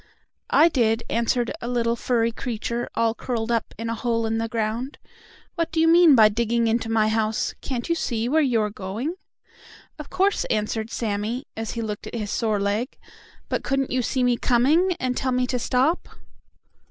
"I did," answered a little, furry creature, all curled up in a hole in the ground. "What do you mean by digging into my house? Can't you see where you are going?" "Of course," answered Sammie, as he looked at his sore leg. "But couldn't you see me coming, and tell me to stop?"